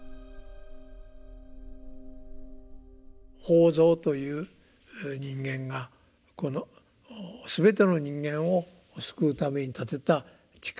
法蔵という人間が全ての人間を救うために立てた誓い。